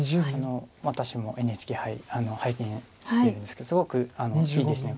私もＮＨＫ杯拝見してるんですけどすごくいいですね。